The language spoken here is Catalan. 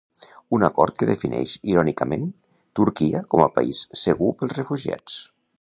Un acord que defineix, irònicament, Turquia com a país segur pels refugiats.